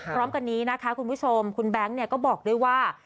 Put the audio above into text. พร้อมกันนี้นะคะคุณผู้ชมคุณแบงค์ก็บอกด้วยว่า